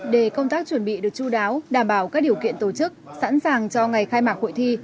để công tác chuẩn bị được chú đáo đảm bảo các điều kiện tổ chức sẵn sàng cho ngày khai mạc hội thi